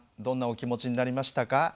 どんなお気持ちになりましたか？